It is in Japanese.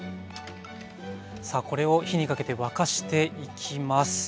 さあこれを火にかけて沸かしていきます。